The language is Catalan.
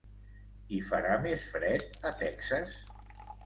Hi farà més fred a Texas?